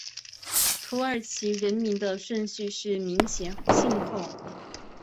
土耳其人名的顺序是名前姓后。